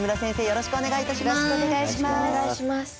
よろしくお願いします。